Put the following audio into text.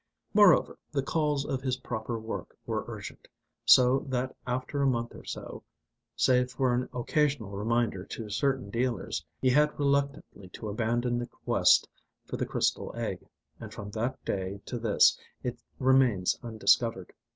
Moreover, the calls of his proper work were urgent. So that after a month or so, save for an occasional reminder to certain dealers, he had reluctantly to abandon the quest for the crystal egg, and from that day to this it remains undiscovered.